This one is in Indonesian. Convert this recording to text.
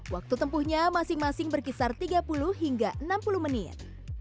waktu tempuhnya masing masing berkisar tiga puluh hingga enam puluh menit